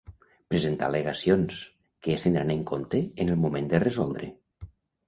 Presentar al·legacions, que es tindran en compte en el moment de resoldre.